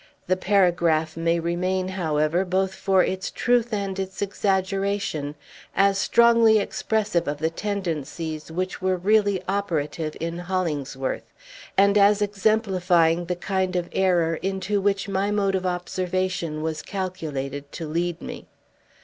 The paragraph may remain, however, both for its truth and its exaggeration, as strongly expressive of the tendencies which were really operative in Hollingsworth, and as exemplifying the kind of error into which my mode of observation was calculated to lead me.